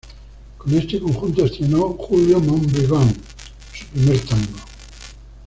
Con este conjunto estrenó Julio "Mon beguin", su primer tango.